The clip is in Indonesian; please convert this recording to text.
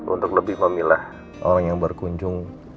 untuk lebih memilah orang yang berkunjung